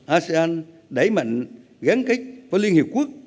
asean đẩy mạnh gán kết với liên hiệp quốc